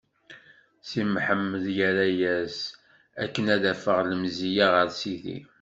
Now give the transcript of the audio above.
Si Mḥemmed irra-as: Akken ad afeɣ lemzeyya ɣer Sidi.